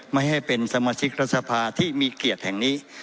ไม่ให้เป็นสมาชิกรัฐสภาที่มีเกียรติแห่งนี้